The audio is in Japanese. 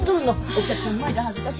お客さんの前で恥ずかしい！